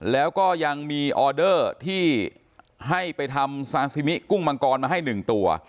แล้วก็ยังมีออเดอร์ที่ให้ไปทำซาซิมิกุ้งมังกรมาให้๑ตัว